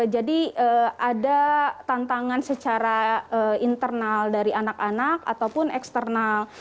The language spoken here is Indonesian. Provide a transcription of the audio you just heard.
jadi ada tantangan secara internal dari anak anak ataupun eksternal